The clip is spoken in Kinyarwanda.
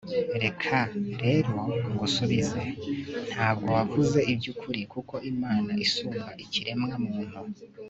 reka rero ngusubize: nta bwo wavuze iby'ukuri! kuko imana isumba ikiremwa muntu